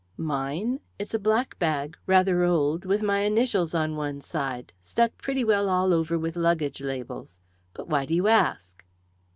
"Mine? It's a black bag rather old with my initials on one side stuck pretty well all over with luggage labels. But why do you ask?"